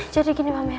jadi gini mbak mir